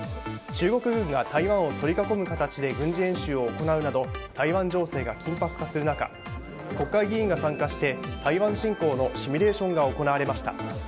中国軍が台湾を取り囲む形で軍事演習を行うなど台湾情勢が緊迫化する中国会議員が参加して台湾侵攻のシミュレーションが行われました。